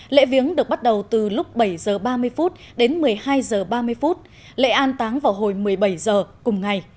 lễ viếng được bắt đầu từ lúc bảy h ba mươi đến một mươi hai h ba mươi lễ an táng vào hồi một mươi bảy h cùng ngày